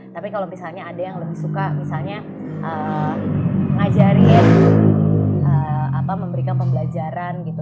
tapi kalau misalnya ada yang lebih suka misalnya ngajarin memberikan pembelajaran gitu